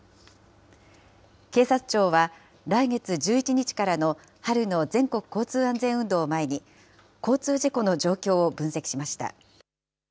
警察庁は、来月１１日からの春の全国交通安全運動を前に、交通事故の状況を分析しました。